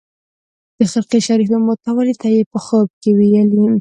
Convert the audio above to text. د خرقې شریفې متولي ته یې په خوب کې ویلي.